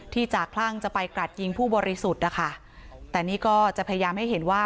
จากคลั่งจะไปกรัดยิงผู้บริสุทธิ์นะคะแต่นี่ก็จะพยายามให้เห็นว่า